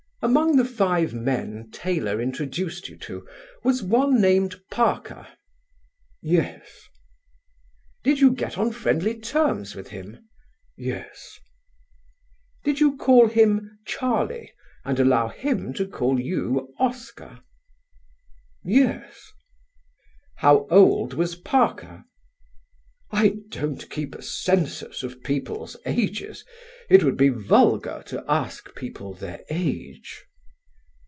"Among the five men Taylor introduced you to, was one named Parker?" "Yes." "Did you get on friendly terms with him?" "Yes." "Did you call him 'Charlie' and allow him to call you 'Oscar'?" "Yes." "How old was Parker?" "I don't keep a census of people's ages. It would be vulgar to ask people their age."